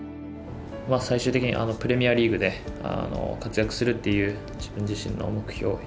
最終的にプレミアリーグで活躍するっていう自分自身の目標